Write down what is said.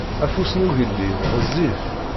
Afus n ugellid ɣezzif.